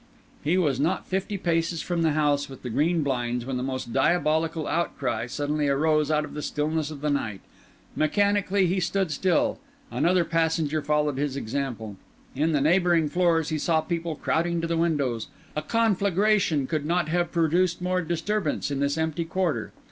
He was not fifty paces from the house with the green blinds when the most diabolical outcry suddenly arose out of the stillness of the night. Mechanically he stood still; another passenger followed his example; in the neighbouring floors he saw people crowding to the windows; a conflagration could not have produced more disturbance in this empty quarter.